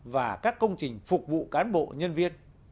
và các công trình phục vụ cán bộ nhân viên